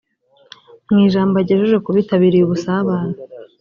Mu ijambo yagejeje ku bitabiriye ubusabane